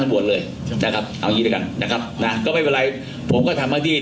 ถ้าที่สุดออกมาแล้วว่าถ้าตำรวจเรียกผิดจริง